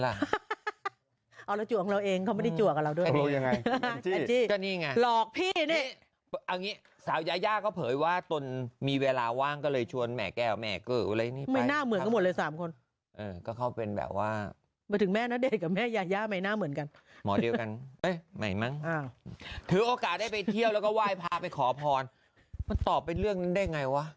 เขาจ่วงเราเองเขาไม่ได้จ่วงกับเราด้วยรู้ยังไงก็นี่ไงหลอกพี่เนี่ยเอาอย่างงี้สาวยาย่าก็เผยว่าตนมีเวลาว่างก็เลยชวนแม่แก้วแม่เก๋ออะไรนี่ไปไม่หน้าเหมือนกันหมดเลยสามคนเออก็เข้าเป็นแบบว่าถึงแม่ณเดชน์กับแม่ยาย่าไม่หน้าเหมือนกันหมอเดียวกันเอ๊ะไหนมั้งถือโอกาสได้ไปเที่ยวแล้วก็ไหว้พาไปขอพรมัน